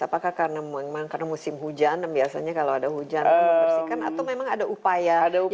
apakah karena musim hujan dan biasanya kalau ada hujan bersihkan atau memang ada upaya yang lebih dilakukan